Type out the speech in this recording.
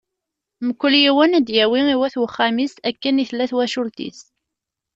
Mkul yiwen ad d-yawi i wat uxxam-is, akken i tella twacult-is.